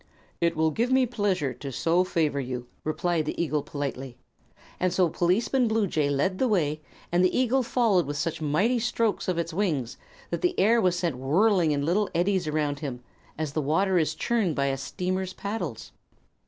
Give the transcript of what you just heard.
"It will give me pleasure to so favor you," replied the eagle, politely; so Policeman Bluejay led the way and the eagle followed with such mighty strokes of its wings that the air was sent whirling in little eddies behind him, as the water is churned by a steamer's paddles.